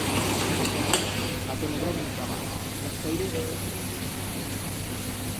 El gato negro brincaba ta fer-las caire y menchar-se-las.